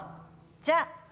じゃあ。